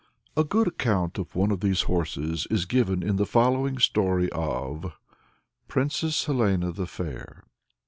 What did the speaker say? A good account of one of these horses is given in the following story of PRINCESS HELENA THE FAIR.